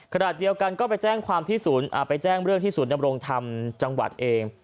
ขณะเดียวกันก็ไปแจ้งความที่ศูนย์ไปแจ้งเรื่องที่ศูนยำรงธรรมจังหวัดเอง